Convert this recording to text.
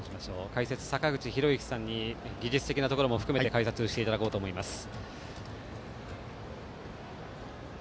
解説、坂口裕之さんに技術的なことも含めて解説していただこうと思います。